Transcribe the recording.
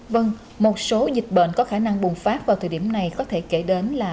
vâng một số dịch bệnh có khả năng bùng phát vào thời điểm này có thể kể đến là